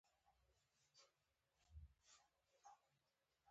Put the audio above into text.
لاړ دې شي.